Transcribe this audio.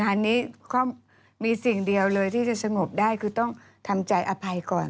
อันนี้ก็มีสิ่งเดียวเลยที่จะสงบได้คือต้องทำใจอภัยก่อน